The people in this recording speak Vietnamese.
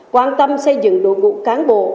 quan tâm xây dựng đội ngũ cán bộ